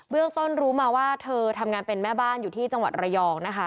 เรื่องต้นรู้มาว่าเธอทำงานเป็นแม่บ้านอยู่ที่จังหวัดระยองนะคะ